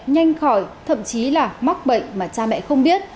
nhanh khỏi thậm chí là mắc bệnh mà cha mẹ không biết